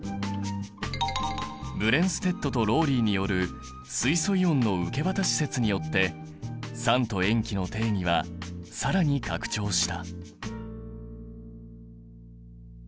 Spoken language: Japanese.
ブレンステッドとローリーによる水素イオンの受け渡し説によって酸と塩基の定義は更に拡張した。